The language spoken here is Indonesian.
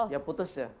ya putus ya